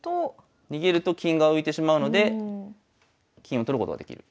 逃げると金が浮いてしまうので金を取ることができる。